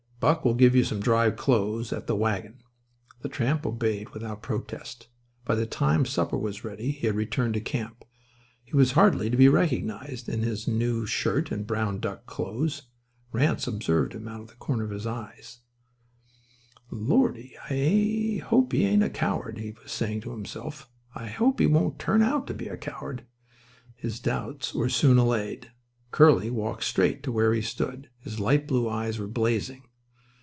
"Buck will give you some dry clothes at the wagon." The tramp obeyed without protest. By the time supper was ready he had returned to camp. He was hardly to be recognised in his new shirt and brown duck clothes. Ranse observed him out of the corner of his eye. "Lordy, I hope he ain't a coward," he was saying to himself. "I hope he won't turn out to be a coward." His doubts were soon allayed. Curly walked straight to where he stood. His light blue eyes were blazing.